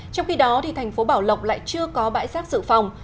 trong khi đó thành phố bảo lộc lại chưa có bãi rác sự phòng